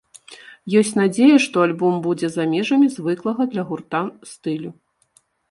Ёсць надзея, што альбом будзе за межамі звыклага для гурта стылю.